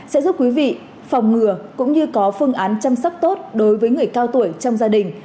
sẽ giúp quý vị phòng ngừa cũng như có phương án chăm sóc tốt đối với người cao tuổi trong gia đình